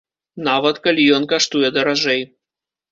Нават калі ён каштуе даражэй.